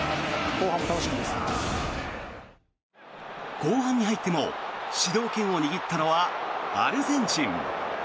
後半に入っても主導権を握ったのはアルゼンチン。